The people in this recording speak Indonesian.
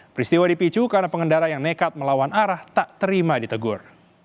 peristiwa dipicu karena pengendara yang nekat melawan arah tak terima ditegur